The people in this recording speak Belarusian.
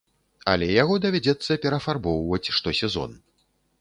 Але яго давядзецца перафарбоўваць штосезон.